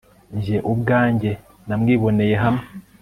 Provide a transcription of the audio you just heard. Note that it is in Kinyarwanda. njye ubwanjye namwiboneye hamwe